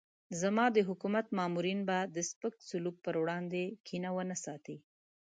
زما د حکومت مامورین به د سپک سلوک پر وړاندې کینه ونه ساتي.